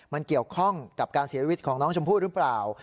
มันเกี่ยวข้องกับการเสียชีวิตของน้องชมพู่หรือเปล่า